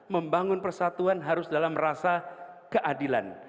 membangun persatuan harus dalam rasa keadilan